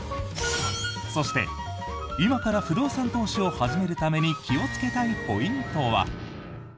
そして今から不動産投資を始めるために気をつけたいポイントは？